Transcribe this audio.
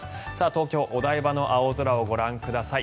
東京・お台場の青空をご覧ください。